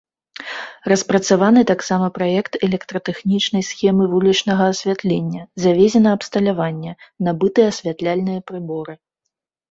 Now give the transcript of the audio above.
Распрацаваны таксама праект электратэхнічнай схемы вулічнага асвятлення, завезена абсталяванне, набыты асвятляльныя прыборы.